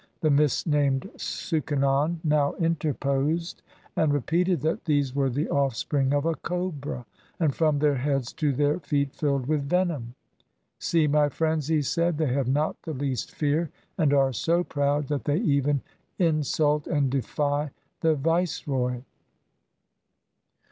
The misnamed Suchanand now interposed, and repeated that these were the offspring of a cobra, and from their heads to their feet filled with venom. ' See my friends,' he said, ' they have not the least fear, and are so proud that they even insult and defy the Viceroy'.